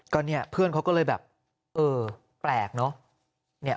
ก็เนี่ยเพื่อนเขาก็เลยแบบเออแปลกเนอะ